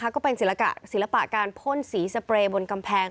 ก็เป็นศิลปะการพ่นสีสเปรย์บนกำแพง